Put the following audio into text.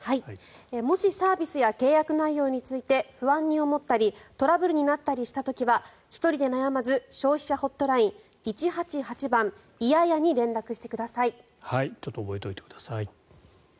もしサービスや契約内容について不安に思ったりトラブルになったりした時は１人で悩まずに消費者ホットライン１８８番に覚えておいてください。